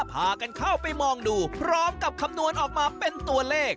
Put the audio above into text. พากันเข้าไปมองดูพร้อมกับคำนวณออกมาเป็นตัวเลข